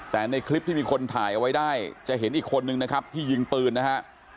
แต่ในคลิปที่มีคนถ่ายเอาไว้ได้จะเห็นอีกคนนึงนะครับที่ยิงปืนนะฮะ